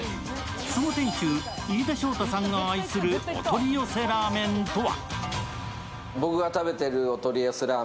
その店主、飯田将太さんが愛するお取り寄せラーメンとは？